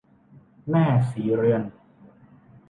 แม่ศรีเรือน